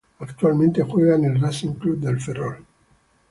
Actualmente juega en el Racing Club de Ferrol.